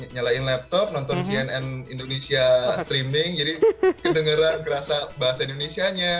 nyalain laptop nonton cnn indonesia streaming jadi kedengeran ngerasa bahasa indonesianya